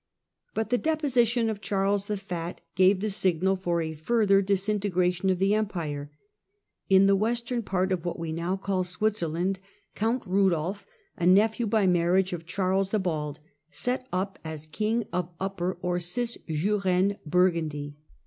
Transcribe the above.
But the deposition of Charles the Fat gave the signal for a further disintegration of the Empire. In the western part of what we now call Switzerland Count Rudolph, a nephew by marriage of Charles the Bald, set up as king of Upper or Cisjurane Burgundy.